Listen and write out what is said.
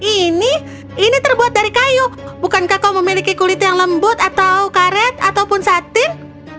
ini ini terbuat dari kayu bukankah kau memiliki kulit yang lembut atau karet ataupun satin